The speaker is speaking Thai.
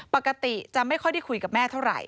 ปกติจะไม่ค่อยได้คุยกับแม่เท่าไหร